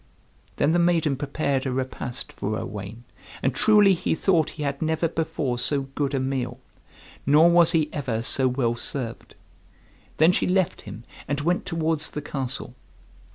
Then the maiden prepared a repast for Owain, and truly he thought he had never before so good a meal, nor was he ever so well served. Then she left him, and went towards the castle.